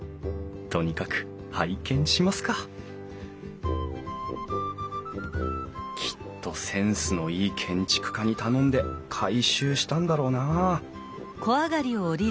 とにかく拝見しますかきっとセンスのいい建築家に頼んで改修したんだろうなあ